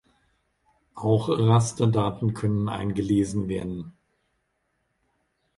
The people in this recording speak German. Auch Rasterdaten können eingelesen werden.